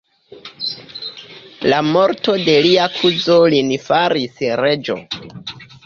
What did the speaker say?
La morto de lia kuzo lin faris reĝo.